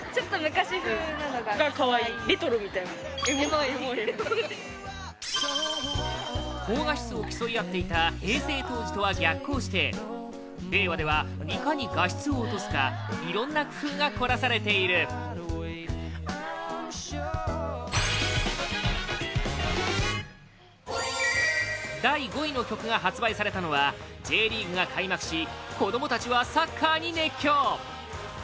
更に高画質を競い合っていた平成当時とは逆行して令和では、いかに画質を落とすかいろんな工夫が凝らされている第５位の曲が発売されたのはＪリーグが開幕し子供たちはサッカーに熱狂！